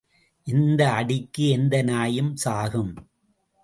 இந்த அடிக்கு எந்த நாயும் சாகும்.